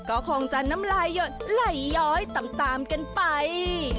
ก็คงจะน้ำลายหยดไหลย้อยตามกันไป